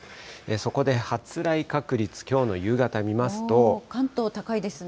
そこで発雷確率、関東、高いですね。